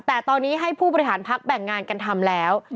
แต่ตอนนี้ให้ผู้ประธานภักดิ์แปลงงานกันทำแล้ว